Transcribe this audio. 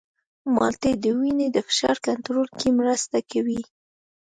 مالټې د وینې د فشار کنټرول کې مرسته کوي.